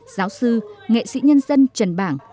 giáo sư nghệ sĩ nhân dân trần bảng